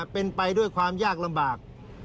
เป็นไปด้วยความยากลำบาก